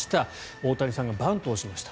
大谷さんがバントをしました。